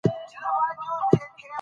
غوسه د ستونزو حل نه دی.